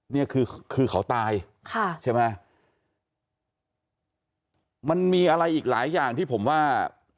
เนี่ยคือคือเขาตายค่ะใช่ไหมมันมีอะไรอีกหลายอย่างที่ผมว่า